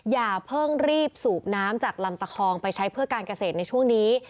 อย่าเพิ่งรีบสูบน้ำจากลำตะคองไปใช้เพื่อการเกษตรในช่วงนี้